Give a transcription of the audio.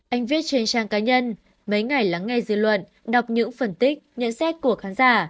anh viết trên trang cá nhân mấy ngày lắng nghe dư luận đọc những phân tích nhận xét của khán giả